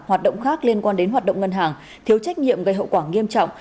hoạt động khác liên quan đến hoạt động ngân hàng thiếu trách nhiệm gây hậu quả nghiêm trọng